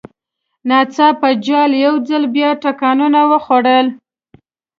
ناڅاپه جال یو ځل بیا ټکانونه وخوړل.